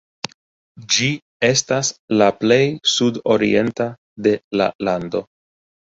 Ĝi estas la plej sudorienta de la lando.